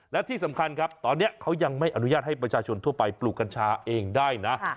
และที่สำคัญครับตอนนี้เขายังไม่อนุญาตให้ประชาชนทั่วไปปลูกกัญชาเองได้นะ